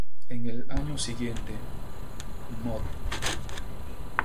En el año siguiente, Mod.